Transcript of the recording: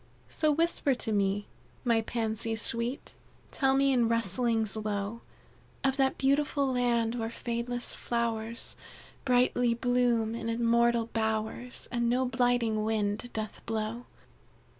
"So, whisper to me, my Pansies sweet Tell me in rustlings low, Of that beautiful land where fadeless flowers Brightly bloom in immortal bowers, And no blighting wind doth blow.